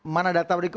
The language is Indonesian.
mana data berikut